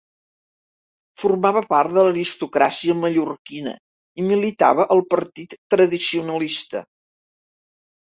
Formava part de l'aristocràcia mallorquina i militava al partit tradicionalista.